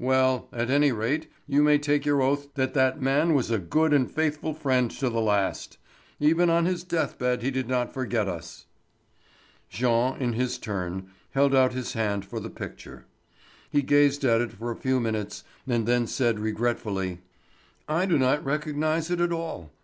Well, at any rate you may take your oath that that man was a good and faithful friend to the last. Even on his death bed he did not forget us." Jean, in his turn, held out his hand for the picture. He gazed at it for a few minutes and then said regretfully: "I do not recognise it at all.